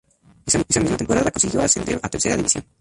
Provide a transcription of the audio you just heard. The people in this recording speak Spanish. Esa misma temporada consiguió ascender a Tercera División.